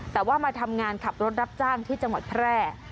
แต่ว่ามาทำงานขับรถรับจ้างที่จังหวัดแพร่